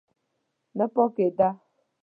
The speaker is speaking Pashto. نه پاکېده.